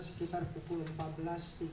sekitar pukul empat belas tiga puluh